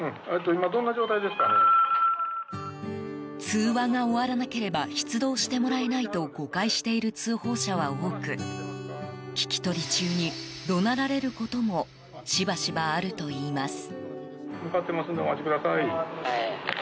通話が終わらなければ出動してもらえないと誤解している通報者は多く聞き取り中に怒鳴られることもしばしば、あるといいます。